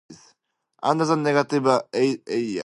Under the negative atheism classification, agnostics atheists.